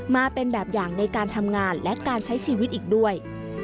มาเป็นแบบอย่างในการทำงานและการใช้ชีวิตอีกด้วย